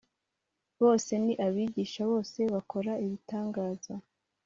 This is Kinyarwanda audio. Bose ni abigisha bose bakora ibitangaza